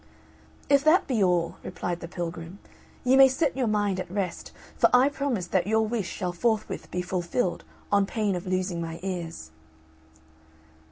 "If that be all," replied the pilgrim, "you may set your mind at rest, for I promise that your wish shall forthwith be fulfilled, on pain of losing my ears."